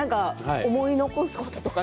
思い残すことは？